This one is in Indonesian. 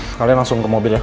sekalian langsung ke mobil ya